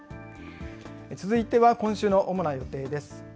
続いては今週の主な予定です。